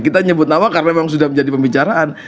kita nyebut nama karena memang sudah menjadi pembicaraan